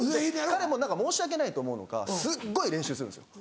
彼も何か申し訳ないと思うのかすっごい練習するんですよ。